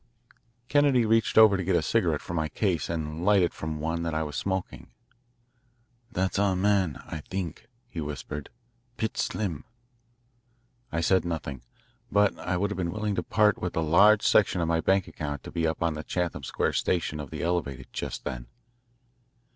Kennedy reached over to get a cigarette from my case and light it from one that I was smoking. "That's=20our man, I think," he whispered "Pitts Slim." I said nothing, but I would have been willing to part with a large section of my bank account to be up on the Chatham Square station of the Elevated just then.